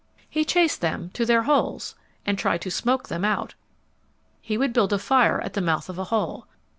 He chased them to their holes and tried to smoke them out. He would build a fire at the mouth of a hole.